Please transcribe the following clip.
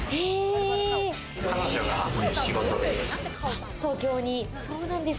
彼女が仕事で。